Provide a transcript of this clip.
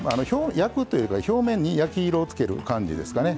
焼くというか表面に焼き色をつける感じですかね。